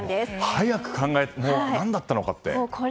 早く考えて、何だったのかと。